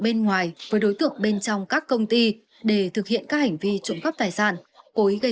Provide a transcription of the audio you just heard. bên ngoài với đối tượng bên trong các công ty để thực hiện các hành vi trộm cắp tài sản cối gây